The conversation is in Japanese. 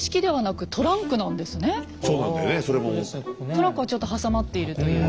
トランクがちょっと挟まっているという。